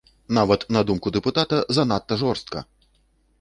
Нават на думку дэпутата занадта жорстка!